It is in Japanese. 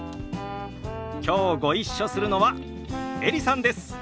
きょうご一緒するのはエリさんです。